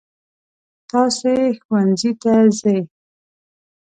تاسې ښوونځي ته ځئ.